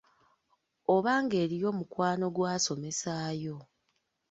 Oba ng'eriyo mukwano gwe asomesaayo.